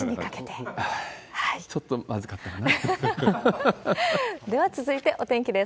ちょっとまずかったかな。